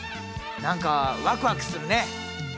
何かワクワクするね。